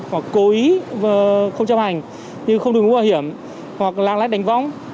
mà cố ý không chấp hành nhưng không đủ nguy hiểm hoặc làng lách đánh vong